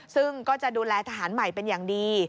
ซึ่งก็จะดูแลทหารใหม่เป็นอย่างดี